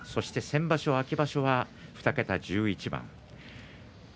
先場所秋場所は２桁１１番。